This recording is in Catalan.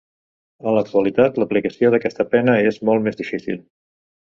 En l'actualitat l'aplicació d'aquesta pena és molt més difícil.